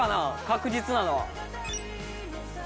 確実なのは。